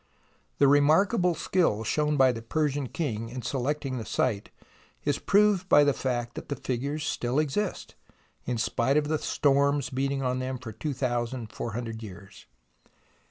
The remarkable skill shown by the Persian king in selecting the site is proved by the fact that the figures still exist, in spite of the storms beating on them for two thousand four hundred years.